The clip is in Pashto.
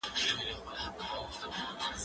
زه پرون کتابتوننۍ سره وخت تېره کړی،